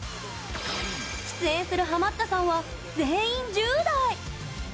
出演するハマったさんは全員１０代！